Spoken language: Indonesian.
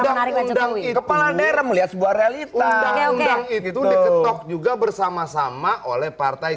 yang menarik dan kepalanya rem lihat sebuah realita yang itu juga bersama sama oleh partai